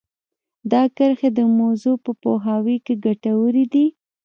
دا کرښې د موضوع په پوهاوي کې ګټورې دي